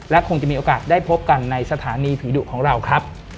และคงจะมีโอกาสได้พบกันในสถานีผีดุของเราครับ